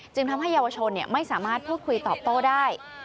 ทำให้เยาวชนไม่สามารถพูดคุยตอบโต้ได้